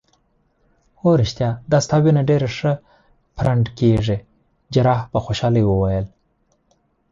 هو ریښتیا دا ستا وینه ډیره ښه پرنډ کیږي. جراح په خوشحالۍ وویل.